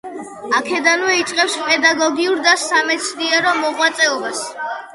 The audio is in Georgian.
აქედანვე იწყებს პედაგოგიურ და სამეცნიერო მოღვაწეობას.